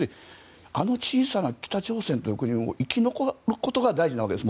あの小さな北朝鮮という国が生き残ることが大事なわけです。